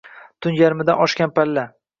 Tun yarimdan oshgan palla.